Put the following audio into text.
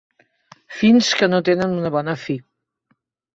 Fins que no tenen una bona fi.